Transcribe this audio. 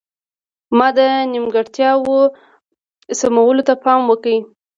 ما د نیمګړتیاوو سمولو ته پام وکړ.